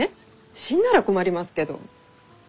死んだら困りますけど。